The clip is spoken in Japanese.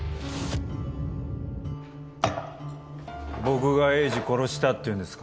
僕が栄治殺したっていうんですか？